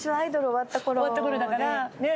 終わった頃だからねっ。